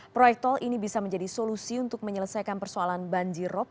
proyek tol ini bisa menjadi solusi untuk menyelesaikan persoalan banjirop